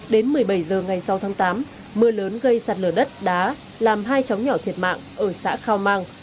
đến một mươi bảy h ngày sáu tháng tám mưa lớn gây sạt lở đất đá làm hai chóng nhỏ thiệt mạng ở xã khao mang